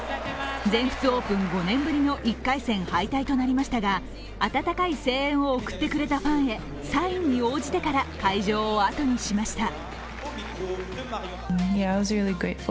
全仏オープン５年ぶりの１回戦敗退となりましたが温かい声援を送ってくれたファンにサインに応じてから会場を後にしました。